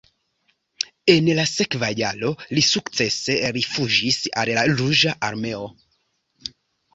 En la sekva jaro li sukcese rifuĝis al la Ruĝa Armeo.